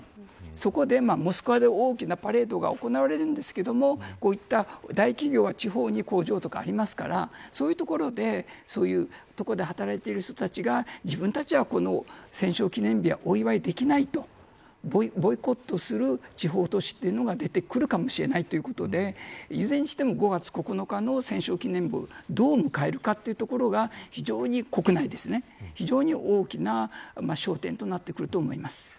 そこでモスクワで大きなパレードが行われるんですけどこういった大企業は地方に工場などありますからそういう所で働いてる人たちが自分たちは戦勝記念日はお祝いできないとボイコットする地方都市というのが出てくるかもしれないということでいずれにしても５月９日の戦勝記念日をどう迎えるかというところが非常に国内で、大きな焦点となってくると思います。